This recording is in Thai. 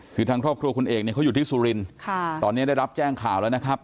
คือทางครอบครัวคุณเอกเนี่ยเขาอยู่ที่สุรินทร์ตอนนี้ได้รับแจ้งข่าวแล้วนะครับ